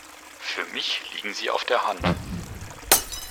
Für mich liegen sie auf der Hand.